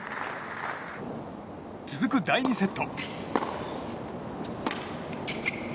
続く第２セット。